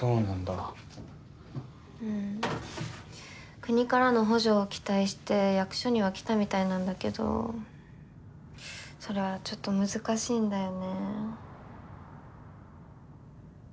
国からの補助を期待して役所には来たみたいなんだけどそれはちょっと難しいんだよね。